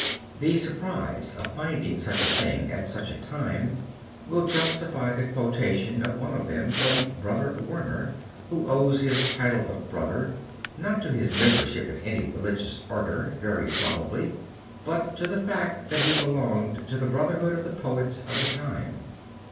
The surprise of finding such things at such a time will justify the quotation of one of them from Brother Wernher, who owes his title of brother not to his membership in any religious order, very probably, but to the fact that he belonged to the brotherhood of the poets of the time.